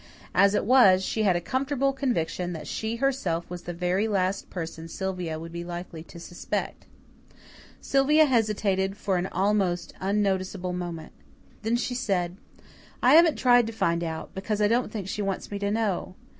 As it was, she had a comfortable conviction that she herself was the very last person Sylvia would be likely to suspect. Sylvia hesitated for an almost unnoticeable moment. Then she said, "I haven't tried to find out, because I don't think she wants me to know.